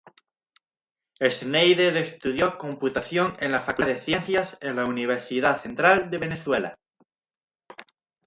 Schneider estudió Computación en la Facultad de Ciencias en la Universidad Central de Venezuela.